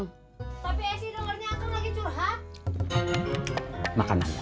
tapi eh si dengernya akang lagi curhat